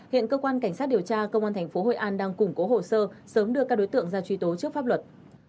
hiện cơ quan cảnh sát điều tra công an tp hội an đang củng cố hồ sơ sớm đưa các đối tượng ra truy tố trước pháp luật